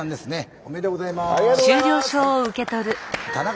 おめでとうございます。